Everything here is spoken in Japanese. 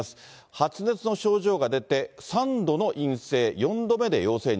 発熱の症状が出て、３度の陰性、４度目で陽性に。